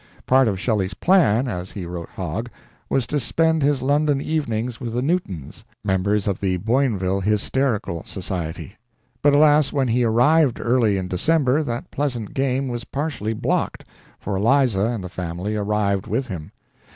Part of Shelley's plan, as he wrote Hogg, was to spend his London evenings with the Newtons members of the Boinville Hysterical Society. But, alas, when he arrived early in December, that pleasant game was partially blocked, for Eliza and the family arrived with him.